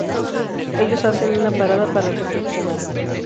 Ellos hacen una parada para reflexionar.